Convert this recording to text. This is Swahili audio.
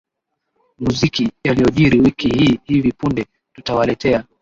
muziki yaliojiri wiki hii hivi punde tutawaletea